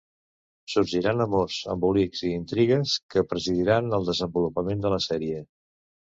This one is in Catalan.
Sorgiran amors, embolics i intrigues, que presidiran el desenvolupament de la sèrie.